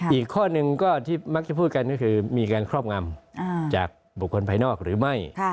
อีกข้อหนึ่งก็ที่มักจะพูดกันก็คือมีการครอบงำจากบุคคลภายนอกหรือไม่